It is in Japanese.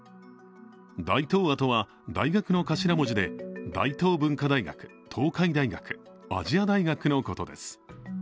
大東亜とは、大学の頭文字で、大東亜大学、東海大学、亜細亜大学のことです。